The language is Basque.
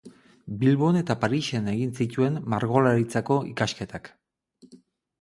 Bilbon eta Parisen egin zituen Margolaritzako ikasketak.